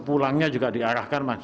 pulangnya juga diarahkan